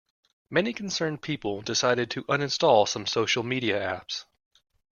Many concerned people decided to uninstall some social media apps.